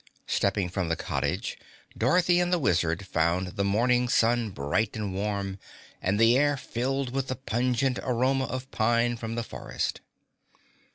Stepping from the cottage, Dorothy and the Wizard found the morning sun bright and warm and the air filled with the pungent aroma of pine from the forest.